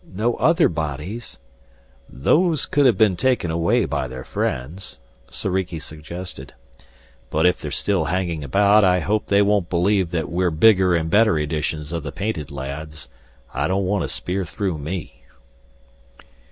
No other bodies " "Those could have been taken away by their friends," Soriki suggested. "But if they're still hanging about, I hope they won't believe that we're bigger and better editions of the painted lads. I don't want a spear through me!"